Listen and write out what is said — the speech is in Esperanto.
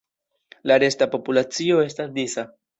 La resta populacio estas disa.